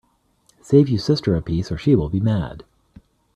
Save you sister a piece, or she will be mad.